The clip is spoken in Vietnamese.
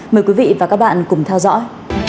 mời quý vị và các bạn cùng theo dõi